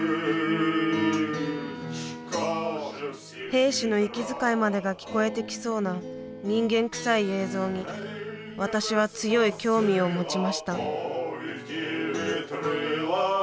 兵士の息遣いまでが聞こえてきそうな人間くさい映像に私は強い興味を持ちました。